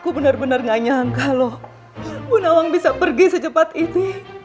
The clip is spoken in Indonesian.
aku benar benar gak nyangka loh bu nawang bisa pergi secepat ini